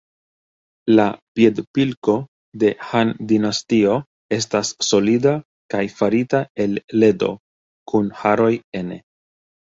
La piedpilko de Han-dinastio estas solida kaj farita el ledo kun haroj ene.